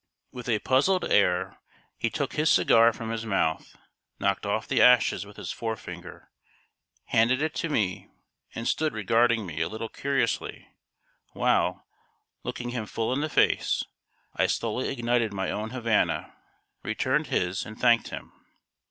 With a puzzled air he took his cigar from his mouth, knocked off the ashes with his forefinger, handed it to me, and stood regarding me a little curiously, while, looking him full in the face, I slowly ignited my own Havana, returned his, and thanked him.